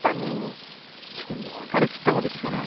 そんな分かりきったこと聞かないでよ。